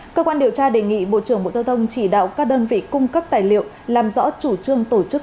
cơ quan điều tra đề nghị bộ trưởng bộ giao thông chỉ đạo các đơn vị cung cấp tài liệu làm rõ chủ trương tổ chức